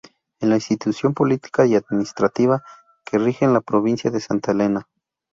Es la institución política y administrativa que rige en la provincia de Santa Elena.